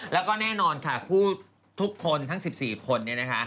แล้วก็แน่นอนค่ะผู้ทุกคนทั้ง๑๔คน